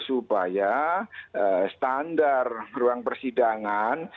supaya standar ruang persidangan